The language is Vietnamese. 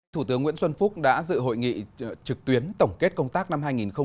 thủ tướng nguyễn xuân phúc đã dự hội nghị trực tuyến tổng kết công tác năm hai nghìn một mươi chín